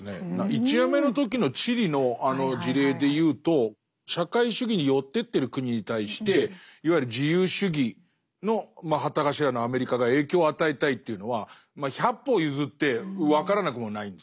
１夜目の時のチリのあの事例でいうと社会主義に寄ってってる国に対していわゆる自由主義の旗頭のアメリカが影響を与えたいというのはまあ百歩譲って分からなくもないんですよ。